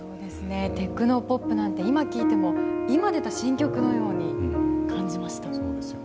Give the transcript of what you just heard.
テクノポップなんて今、聴いても今出た新曲のように感じました。